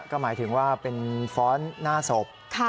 ก็หมายถึงว่าเป็นฟ้อนหน้าศพ